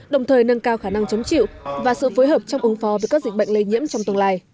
đồng thời nâng cao khả năng chống chịu và sự phối hợp trong ứng phó với các dịch bệnh lây nhiễm trong tương lai